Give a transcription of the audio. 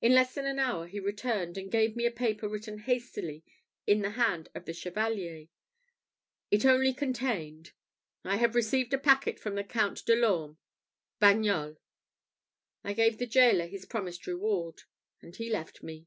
In less than an hour he returned, and gave me a paper written hastily in the hand of the Chevalier. It only contained, "I have received a packet from the Count de l'Orme BAGNOLS." I gave the gaoler his promised reward, and he left me.